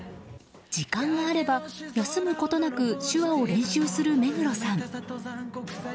時間があれば、休むことなく手話を練習する目黒さん。